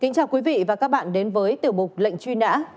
xin chào quý vị và các bạn đến với tiểu bục lệnh truy nã